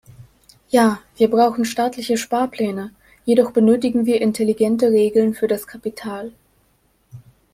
Ja, wir brauchen staatliche Sparpläne, jedoch benötigen wir intelligente Regeln für das Kapital.